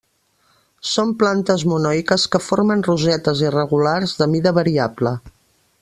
Són plantes monoiques que formen rosetes irregulars de mida variable.